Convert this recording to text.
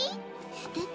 すてき？